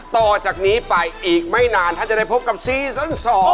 ต่อจากนี้ไปอีกไม่นานท่านจะได้พบกับซีซั่น๒